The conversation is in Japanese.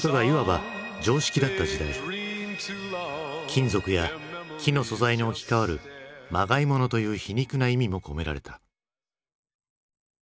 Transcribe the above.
金属や木の素材に置き換わるまがい物という皮肉な意味も込められた。